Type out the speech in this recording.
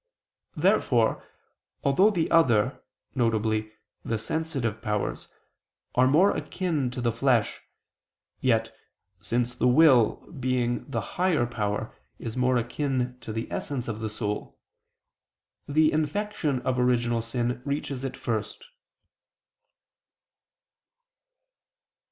Therefore, although the other, viz. the sensitive powers, are more akin to the flesh, yet, since the will, being the higher power, is more akin to the essence of the soul, the infection of original sin reaches it first.